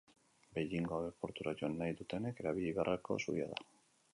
Beijingo aireportura joan nahi dutenek erabili beharreko zubia da.